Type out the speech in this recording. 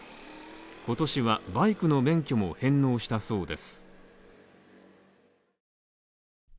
今年はバイクの免許を返納したそうです。